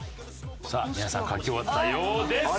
さあ皆さん書き終わったようです。